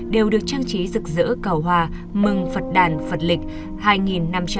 đều được trang trí rực rỡ cầu hòa mừng phật đàn phật lịch